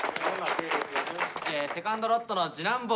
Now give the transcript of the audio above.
セカンドロットの次男坊